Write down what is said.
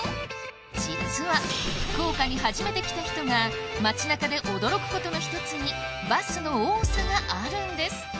実は福岡に初めて来た人が町なかで驚くことの一つにバスの多さがあるんです